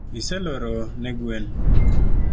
Iseloro ne gwen?